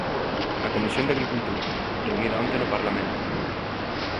A comisión de Agricultura, reunida onte no Parlamento.